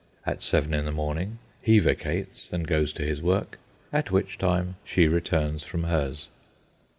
At seven in the morning he vacates, and goes to his work, at which time she returns from hers.